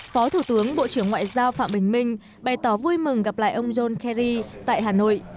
phó thủ tướng bộ trưởng ngoại giao phạm bình minh bày tỏ vui mừng gặp lại ông john kerry tại hà nội